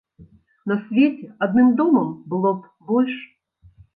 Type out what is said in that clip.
На свеце адным домам было б больш.